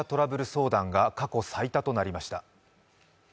相談が過去最多となりました。